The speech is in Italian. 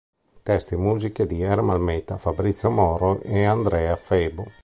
Testi e musiche di Ermal Meta, Fabrizio Moro e Andrea Febo.